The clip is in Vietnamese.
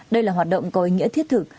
đây là hoạt động có ý nghĩa thiết thực